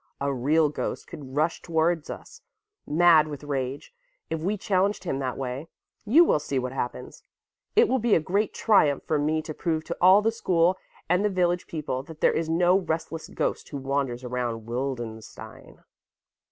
"A real ghost could rush towards us, mad with rage, if we challenged him that way. You will see what happens. It will be a great triumph for me to prove to all the school and the village people that there is no restless ghost who wanders around Wildenstein."